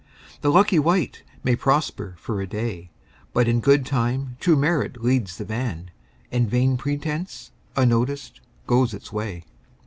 The lucky wight may prosper for a day, But in good time true merit leads the van And vain pretence, unnoticed, goes its way.